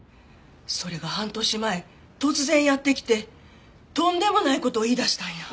それが半年前突然やって来てとんでもない事を言い出したんや。